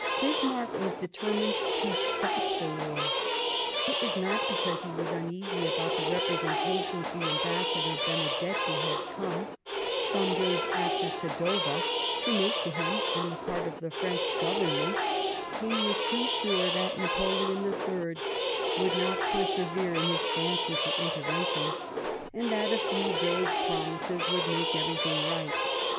Bismarck was determined to stop the war. It was not because he was uneasy about the repre sentations the Ambassador Benedetti afte/s^owa ^^^^^^^'^^^^^^^^^^^^^ Sadowa, to make to him on the part of the French Government ; he was too sure that Napoleon III 91 Bismarck would not persevere in his fancy for intervention, and that a few vague promises would make every thing right.